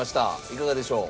いかがでしょう？